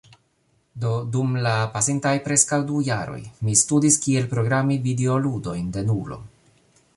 Do dum la pasintaj preskaŭ du jaroj mi studis kiel programi videoludojn denulo.